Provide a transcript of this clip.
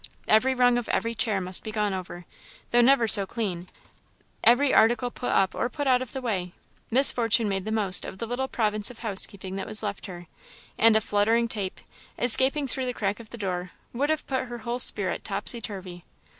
Every rung of every chair must be gone over, though never so clean; every article put up or put out of the way; Miss Fortune made the most of the little province of housekeeping that was left her; and a fluttering tape, escaping through the crack of the door, would have put her whole spirit topsy turvy.